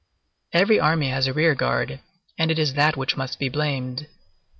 Every army has a rear guard, and it is that which must be blamed.